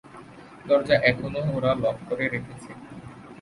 দরজা এখনও ওরা লক করে রেখেছে।